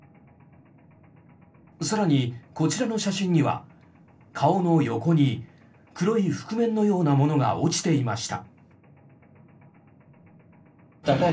更に、こちらの写真には顔の横に黒い覆面のようなものが落ちていました。